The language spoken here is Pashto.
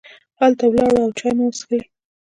هلته ولاړو او چای مو وڅښلې.